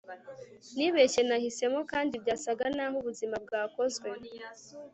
nibeshye nahisemo, kandi byasaga naho ubuzima bwakozwe